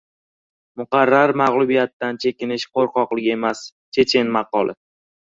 Muqarrar mag‘lubiyatdan chekinish qo‘rqoqlik emas. Chechen maqoli